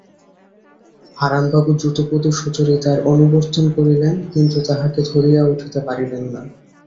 হারানবাবু দ্রুতপদে সুচরিতার অনুবর্তন করিলেন, কিন্তু তাহাকে ধরিয়া উঠিতে পারিলেন না।